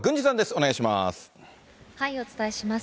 お願いします。